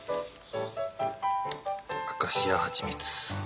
アカシアハチミツ。